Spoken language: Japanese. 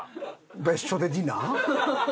別所でディナー？